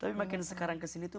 tapi makin sekarang kesini tuh